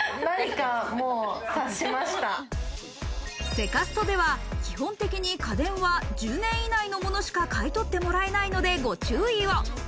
セカストでは基本的に家電は１０年以内のものしか買い取ってもらえないので、ご注意を。